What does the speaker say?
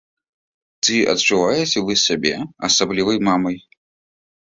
Ці адчуваеце вы сябе асаблівай мамай?